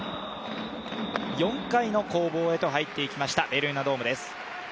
４回の攻防へと入っていきましたベルーナドームです。